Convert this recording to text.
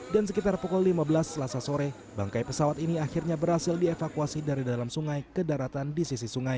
dan sekitar pukul lima belas selasa sore bangkai pesawat ini akhirnya berhasil dievakuasi dari dalam sungai ke daratan di sisi sungai